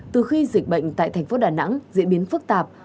từ khi dịch bệnh tại thành phố đà nẵng diễn biến phức tạp